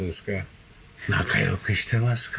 仲良くしてますか？